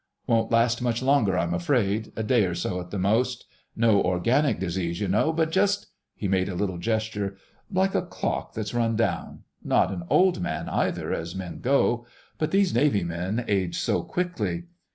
"Won't last much longer, I'm afraid: a day or so at the most. No organic disease, y'know, but just"—he made a little gesture—"like a clock that's run down. Not an old man either, as men go. But these Navy men age so quickly....